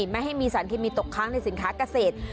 ไม่ให้มีสารเคมีตกค้างในสินค้าเกษตร